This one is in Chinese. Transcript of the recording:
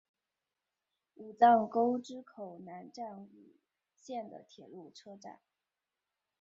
武藏沟之口站南武线的铁路车站。